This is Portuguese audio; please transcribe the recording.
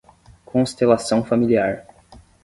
Constelação familiar